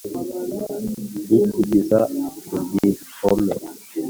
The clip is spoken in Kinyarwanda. yikikiza mu igihome